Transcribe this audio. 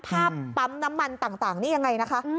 ปั๊มน้ำมันต่างนี่ยังไงนะคะ